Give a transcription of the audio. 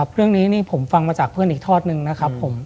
เรื่องนี้นี่ผมฟังมาจากเพื่อนอีกทอดนึงนะครับผม